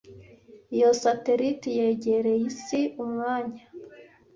Iyo satelite yegereye Isi umwanya